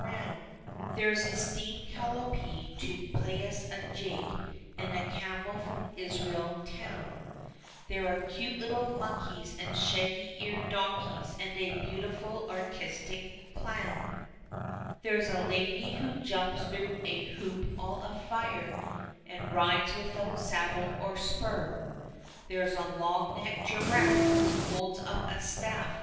183 There's a steam calliope to play us a jig, And a camel from Israel town; There are cute little monkeys and shaggy eared donkeys, And a beautiful, artistic clown. THE CHILDREN'S WONDER BOOK. There's a lady who jumps through a hoop, all afire, And rides without sad dle or spur ; There's a long necked giraffe, who holds up a staff.